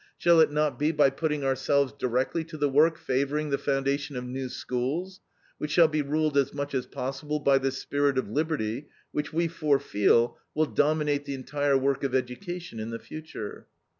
Shall it not be by putting ourselves directly to the work favoring the foundation of new schools, which shall be ruled as much as possible by this spirit of liberty, which we forefeel will dominate the entire work of education in the future?